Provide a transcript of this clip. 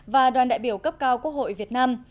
và đoàn đại biểu cấp cao quốc hội việt nam